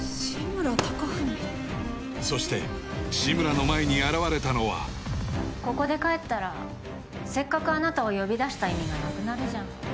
志村貴文そして志村の前に現れたのはここで帰ったらせっかくあなたを呼び出した意味がなくなるじゃん